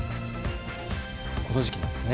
この時期なんですね。